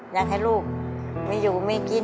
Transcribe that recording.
อยากให้ลูกไม่อยู่ไม่กิน